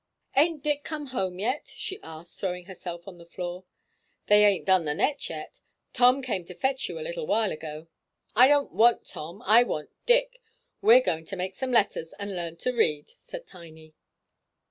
"Ain't Dick come home yet?" she asked, throwing herself on the floor. "They ain't done the net yet. Tom came to fetch you a little while ago." "I don't want Tom, I want Dick. We're going to make some letters, and learn to read," said Tiny.